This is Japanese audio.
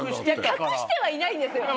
隠してはいないんですよ。